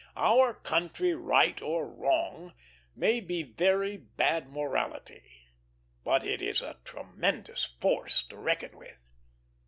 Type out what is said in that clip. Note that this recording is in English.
"Our country, right or wrong," may be very bad morality, but it is a tremendous force to reckon with.